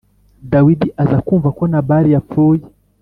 Dawidi aza kumva ko Nabali yapfuye